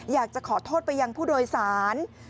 อยากจะขอโทษไปยังผู้โดยสาร